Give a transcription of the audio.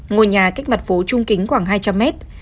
ngôi nhà cách mặt phố trung kính khoảng hai trăm linh mét